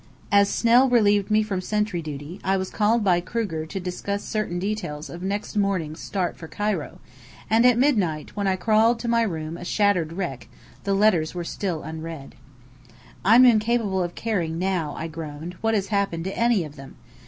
As Snell relieved me from sentry duty, I was called by Kruger to discuss certain details of next morning's start for Cairo; and at midnight, when I crawled to my room a shattered wreck, the letters were still unread. "I'm incapable of caring now," I groaned, "what has happened to any of them.